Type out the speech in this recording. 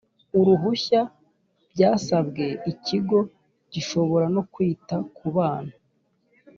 uruhushya byasabwe Ikigo gishobora no kwita ku bana